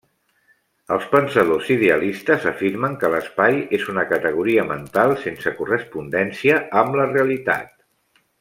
Els pensadors idealistes afirmen que l'espai és una categoria mental, sense correspondència amb la realitat.